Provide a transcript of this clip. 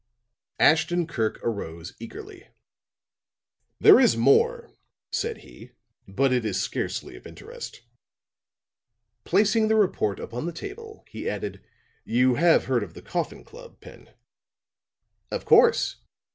'" Ashton Kirk arose eagerly. "There is more," said he, "but it is scarcely of interest." Placing the report upon the table, he added: "You have heard of the Coffin Club, Pen?" "Of course.